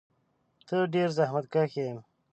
ته ډېر زحمتکښ یې.